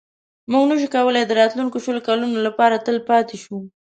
موږ نه شو کولای د راتلونکو شلو کالو لپاره هلته پاتې شو.